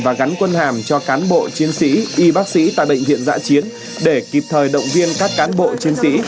và gắn quân hàm cho cán bộ chiến sĩ y bác sĩ tại bệnh viện giã chiến để kịp thời động viên các cán bộ chiến sĩ